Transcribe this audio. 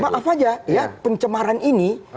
maaf aja pencemaran ini